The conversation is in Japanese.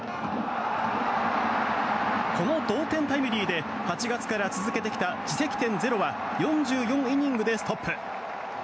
この同点タイムリーで８月から続けてきた自責点ゼロは４４イニングでストップ。